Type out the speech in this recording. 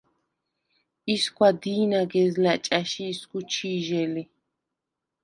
ისგვა დი̄ნაგეზლა̈ ჭა̈ში ისგუ ჩი̄ჟე ლი.